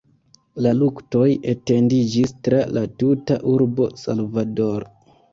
La luktoj etendiĝis tra la tuta urbo Salvador.